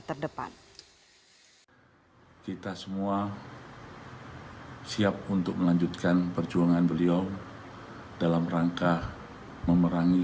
terdepan kita semua siap untuk melanjutkan perjuangan beliau dalam rangka memerangi